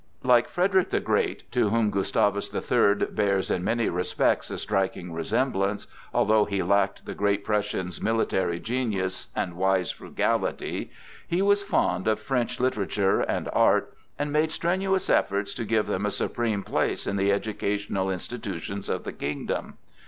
Like Frederick the Great, to whom Gustavus the Third bears in many respects a striking resemblance, although he lacked the great Prussian's military genius and wise frugality, he was fond of French literature and art, and made strenuous efforts to give them a supreme place in the educational institutions of the kingdom.